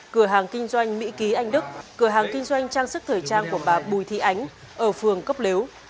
cửa hàng kinh doanh mỹ ký anh đức cửa hàng kinh doanh trang sức thời trang của bà bùi thị ánh ở phường cốc lếu